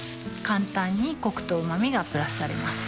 簡単にコクとうま味がプラスされます